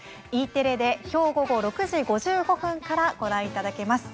Ｅテレできょう午後６時５５分からご覧いただけます。